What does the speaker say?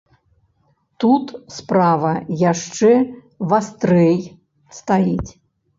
Тут справа яшчэ вастрэй стаіць.